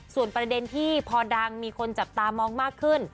ส่วนประเด็นที่พอดังมีคนจับตามองมากขึ้น